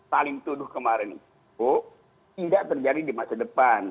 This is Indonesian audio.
saling tuduh kemarin itu tidak terjadi di masa depan